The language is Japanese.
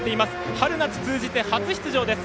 春夏通じて初出場です。